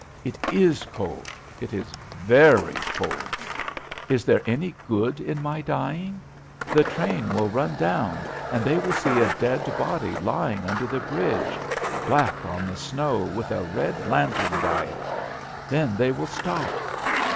It is cold, it is very cold! Is there any good in my dying? The train will run down, and they will see a dead body lying under the bridge, black on the snow, with a red lantern by it. Then they will stop.